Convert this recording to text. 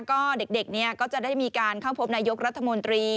ก็เด็กก็จะได้มีการเข้าพบนายกรัฐมนตรี